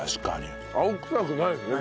青臭くないですね